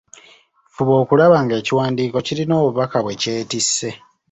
Fuba okulaba nga ekiwandiiko kirina obubaka bwe kyetisse.